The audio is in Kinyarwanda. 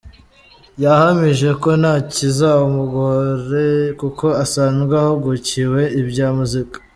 Yahamije ko nta kizamugore kuko asanzwe ahugukiwe ibya muzika.